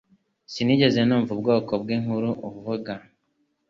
Sinigeze numva ubwoko bw'inkuru avuga